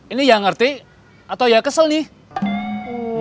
ini yang ngerti atau ya kesel nih